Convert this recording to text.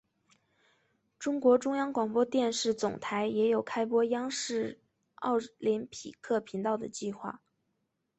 中国中央广播电视总台也有开播央视奥林匹克频道的计划。